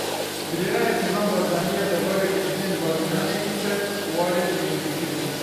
Biryara Nêçîrvan Barzanî ya derbarê girtiyên Badînanê ket warê cîbicîkirinê.